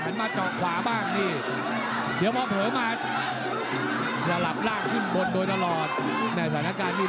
อย่าออกอาการไม่ได้เลยมวยไทย